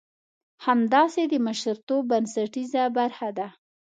همداسې د مشرتوب بنسټيزه برخه ده.